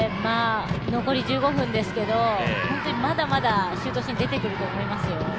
残り１５分ですけど、本当まだまだシュートシーン出てくると思いますよ。